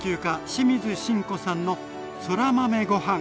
清水信子さんのそら豆ご飯。